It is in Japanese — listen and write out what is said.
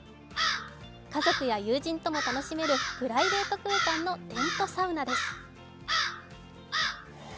家族や友人とも楽しめるプライベート空間のテントサウナです。